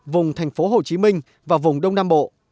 vùng thành phố hồ chí minh và vùng đông nam bộ